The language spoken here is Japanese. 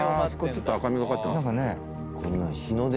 ちょっと赤みがかってますね